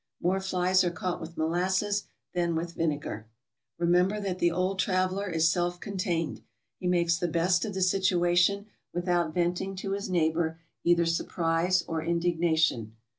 More flies are caught w*ith molasses than with vinegar. Remember that the old traveler is self contained. He makes the best of the situation, without venting to his neigh bor either surprise or indignation.